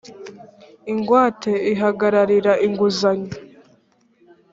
ingwate ihagararira inguzanyo.